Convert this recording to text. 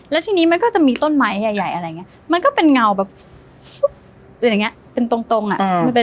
และทีนี้มันก็จะมีต้นไม้ใหญ่อะไรอย่างนี้